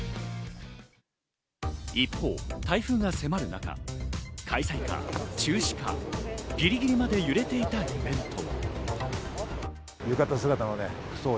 一方、台風が迫る中、開催か中止か、ぎりぎりまで揺れていたイベント。